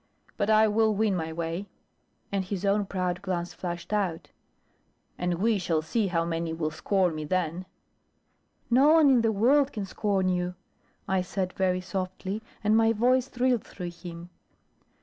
But I will win my way" and his own proud glance flashed out "and we shall see how many will scorn me then." "No one in the world can scorn you," I said very softly, and my voice thrilled through him.